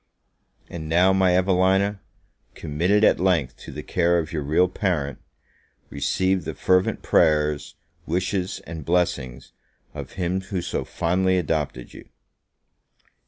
And now, my Evelina, committed at length to the care of your real parent, receive the fervent prayers, wishes, and blessings, of him who so fondly adopted you!